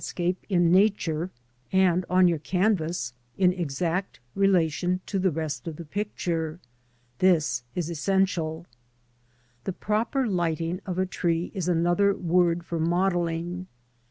I * X X xX scape in Nature, and on your canvas in exact relation to the rest of the picture. This is essential. The proper lighting of a tree is another word for modelling.